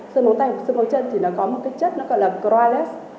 sơn móng tay hoặc sơn móng chân thì nó có một cái chất nó gọi là coriolis